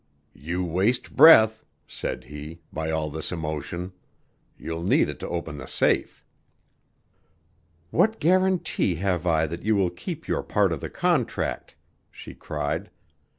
"You waste breath," said he, "by all this emotion. You'll need it to open the safe." "What guarantee have I that you will keep your part of the contract?" she cried.